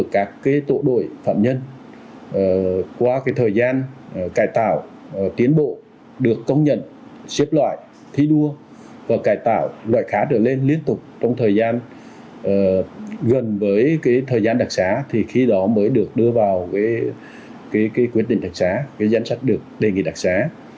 các tổ đội phạm nhân qua thời gian cải tạo tiến bộ được công nhận xếp loại thí đua và cải tạo loại khá trở lên liên tục trong thời gian gần với thời gian đặc sá thì khi đó mới được đưa vào quyết định đặc sá dân sách được đề nghị đặc sá